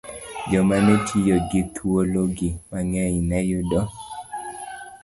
Joma ne tiyo gi thuologi mang'eny ne yudo